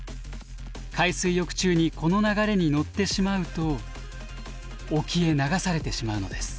海水浴中にこの流れに乗ってしまうと沖へ流されてしまうのです。